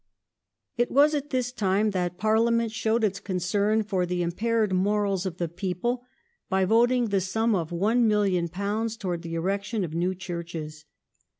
It was at this time that Parliament showed its concern for the Grants for impaired morals of the people by voting the sum of £1,000,000 ^^^^S>ous towards the erection of new churches.